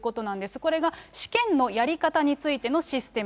これが試験のやり方についてのシステム。